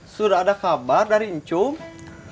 sudah ada kabar dari ngchung